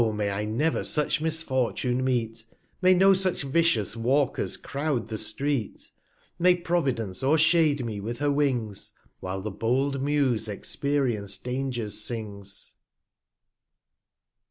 may I never such Misfortune meet, May no such vicious Walkers croud the Street, 80 May Providence o'er shade me with her Wings, While the bold Muse experienc'd Dangers sings.